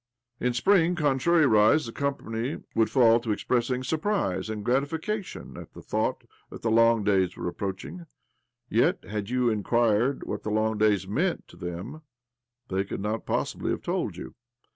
In spring, contrariwise, the company would fall to expressing surprise and grati fication at the thought that the long days were approaching. Yet, had you inquired what the long days meant to them, they could not possibly have told you